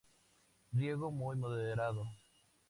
Riego muy moderado.